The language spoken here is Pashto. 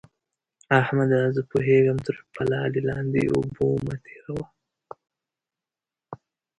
احمده! زه پوهېږم؛ تر پلالې لاندې اوبه مه تېروه.